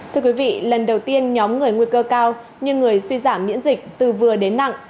thưa quý vị lần đầu tiên nhóm người nguy cơ cao như người suy giảm miễn dịch từ vừa đến nặng